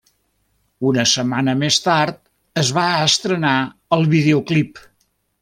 Una setmana més tard es va estrenar el videoclip.